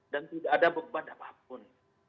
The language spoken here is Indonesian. dan tidak ada beban apapun